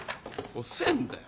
遅えんだよ。